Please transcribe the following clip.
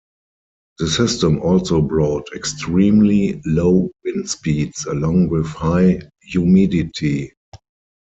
The system also brought extremely low wind speeds, along with high humidity.